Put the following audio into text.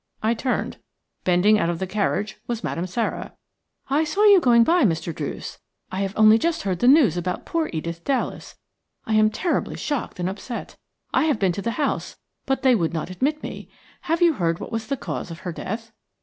I turned. Bending out of the carriage was Madame Sara. "I saw you going by, Mr. Druce. I have only just heard the news about poor Edith Dallas. I am terribly shocked and upset. I have been to the house, but they would not admit me. Have you heard what was the cause of her death?"